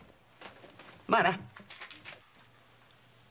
まあな。